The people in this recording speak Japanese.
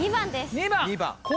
２番。